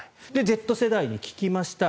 Ｚ世代に聞きました。